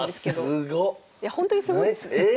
いやほんとにすごいですね。